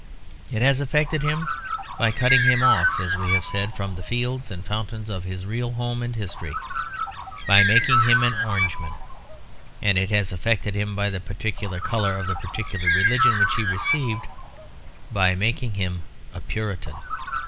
It has affected him by cutting him off (as we have said) from the fields and fountains of his real home and history; by making him an Orangeman. And it has affected him by the particular colour of the particular religion which he received; by making him a Puritan.